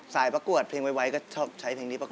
ประกวดเพลงไวก็ชอบใช้เพลงนี้ประก